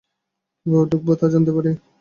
কীভাবে ঢুকব তা জানতে পারি?